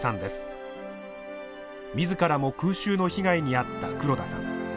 自らも空襲の被害に遭った黒田さん。